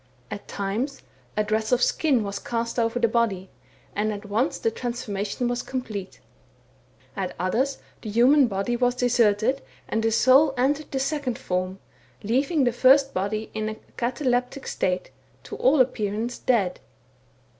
At times, a dress of skin was cast over the body, and at once the transformation was complete ; at others, the human body was deserted, and the soul entered the second form, leaving the first body in a cataleptic state, to all appearance dead.